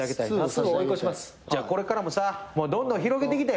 じゃあこれからもさどんどん広げていきたい